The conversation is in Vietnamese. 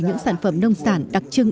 những sản phẩm nông sản đặc trưng